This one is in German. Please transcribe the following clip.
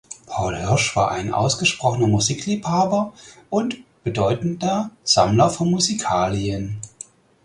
Paul Hirsch war ein ausgesprochener Musikliebhaber und bedeutender Sammler von Musikalien.